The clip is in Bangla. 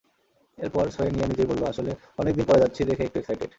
এরপর সোয়েনিয়া নিজেই বলল, আসলে অনেক দিন পরে যাচ্ছি দেখে একটু এক্সাইটেড।